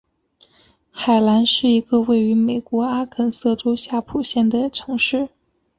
海兰是一个位于美国阿肯色州夏普县的城市。